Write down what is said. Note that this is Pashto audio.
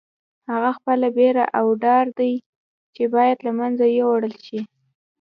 هغه خپله بېره او ډار دی چې باید له منځه یوړل شي.